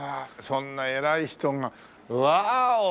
そんな偉い人がワーオ！